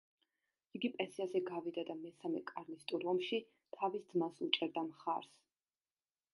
იგი პენსიაზე გავიდა და მესამე კარლისტურ ომში თავის ძმას უჭერდა მხარს.